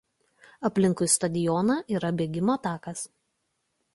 Aplinkui stadioną yra bėgimo takas.